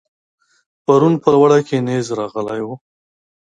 پرون په لوړه کې نېز راغلی و.